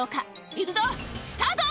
「行くぞスタート！」